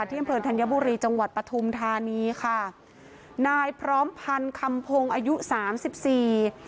อำเภอธัญบุรีจังหวัดปฐุมธานีค่ะนายพร้อมพันธ์คำพงศ์อายุสามสิบสี่